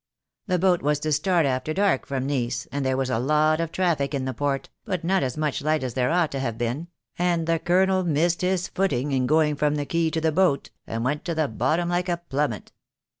The boat was to start after dark from Nice, and there was a lot of traffic in the port, but not as much light as there ought to have been, and the Colonel missed his footing in going from the quay to the boat, and went to the bottom like a plummet.